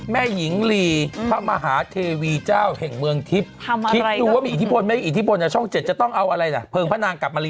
ไม่ตายคุณแม่จัดการ